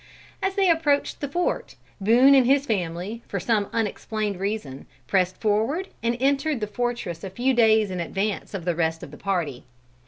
As they approached the fort, Boone and his family, for some unexplained reason, pressed forward, and entered the fortress a few days in advance of the rest of the party.